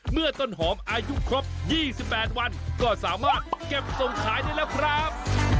เมื่อต้นหอมอายุครบ๒๘วันก็สามารถเก็บส่งขายได้แล้วครับ